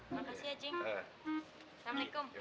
makasih ya cing